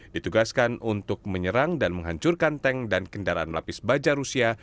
ditugaskan untuk menyerang dan menghancurkan tank dan kendaraan lapis baja rusia